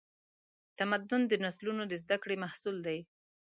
تمدن د نسلونو د زدهکړې محصول دی.